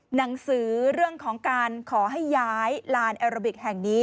หนังสือเรื่องของการขอให้ย้ายลานแอโรบิกแห่งนี้